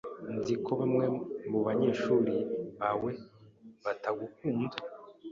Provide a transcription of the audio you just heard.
Nzi ko bamwe mubanyeshuri bawe batagukunda.